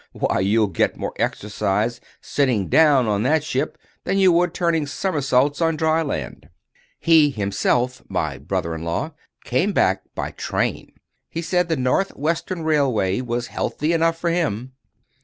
why, you'll get more exercise, sitting down on that ship, than you would turning somersaults on dry land." He himself—my brother in law—came back by train. He said the North Western Railway was healthy enough for him.